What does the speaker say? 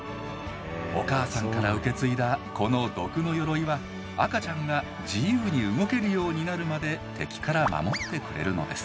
お母さんから受け継いだこの毒のよろいは赤ちゃんが自由に動けるようになるまで敵から守ってくれるのです。